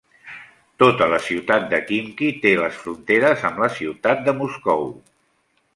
Tota la ciutat de Khimki té les fronteres amb la ciutat de Moscou.